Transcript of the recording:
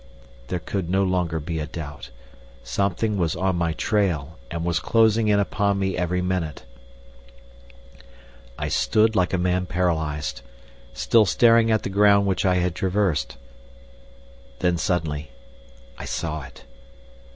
There could no longer be a doubt. Something was on my trail, and was closing in upon me every minute. I stood like a man paralyzed, still staring at the ground which I had traversed. Then suddenly I saw it.